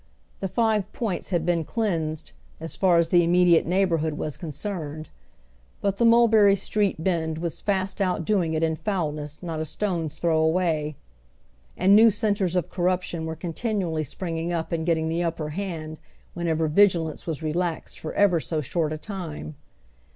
The Five Points had been cleansed, as far as tlie immediate neighborhood was con cerned, but tlie Mulberry Street Bend was fast outdoing it in foulness not a stone's throw away, and now centres of corruption were continually springing up and getting the upper hand whenever vigilance was relaxed for ever so short a time.